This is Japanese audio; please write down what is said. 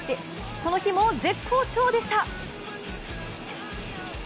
この日も絶好調でした！